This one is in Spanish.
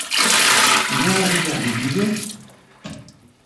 ¿no había vivido?